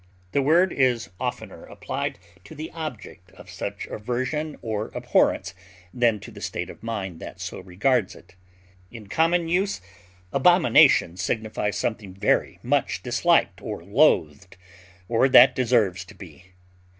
The word is oftener applied to the object of such aversion or abhorrence than to the state of mind that so regards it; in common use abomination signifies something very much disliked or loathed, or that deserves to be.